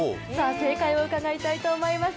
正解を伺いたいと思います。